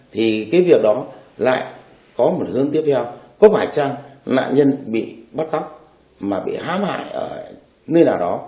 thì cái việc đó lại có một hướng tiếp theo có phải rằng nạn nhân bị bắt góp mà bị hám hại nơi nào đó